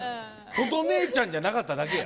『とと姉ちゃん』じゃなかっただけや。